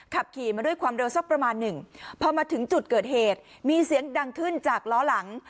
ขับขี่มาด้วยความเร็วสักประมาณหนึ่งพอมาถึงจุดเกิดเหตุมีเสียงดังขึ้นจากล้อหลัง